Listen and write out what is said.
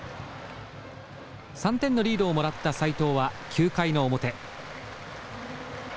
３点のリードをもらった斎藤は９回の表。